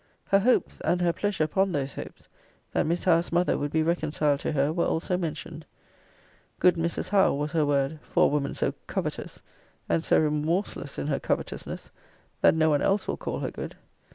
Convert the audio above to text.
Her hopes (and her pleasure upon those hopes) that Miss Howe's mother would be reconciled to her, were also mentioned. Good Mrs. Howe was her word, for a woman so covetous, and so remorseless in her covetousness, that no one else will call her good.